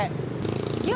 oh pak sofyan